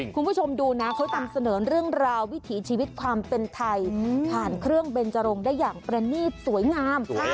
คุณผู้ชมดูนะเขานำเสนอเรื่องราววิถีชีวิตความเป็นไทยผ่านเครื่องเบนจรงได้อย่างประนีตสวยงาม